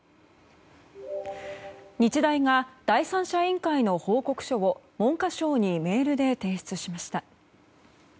日大が第三者委員会の報告書を文科省にメールで提出しました。